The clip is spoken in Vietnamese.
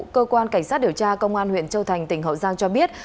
cơ quan cảnh sát điều tra công an huyện châu thành tỉnh hậu giang cho biết